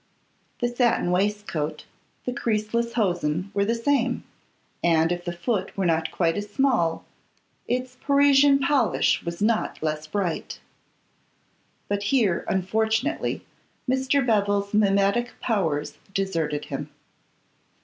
The satin waistcoat, the creaseless hosen, were the same; and if the foot were not quite as small, its Parisian polish was not less bright. But here, unfortunately, Mr. Bevil's mimetic powers deserted him.